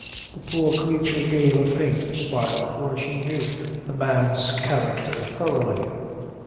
The poor creature gave a faint smile, for she knew the man's character thoroughly.